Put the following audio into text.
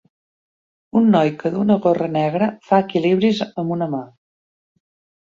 Un noi que duu una gorra negra fa equilibris amb una mà